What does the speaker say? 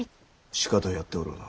しかとやっておろうな。